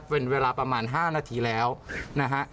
เป็นเวลาประมาณ๕นาทีแล้วนะฮะ